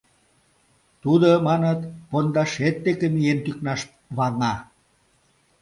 — Тудо, маныт, пондашет деке миен тӱкнаш ваҥа.